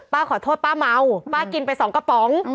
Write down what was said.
ขอโทษป้าเมาป้ากินไปสองกระป๋อง